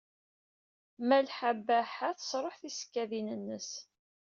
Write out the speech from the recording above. Malḥa Baḥa tesṛuḥ tisekkadin-nnes.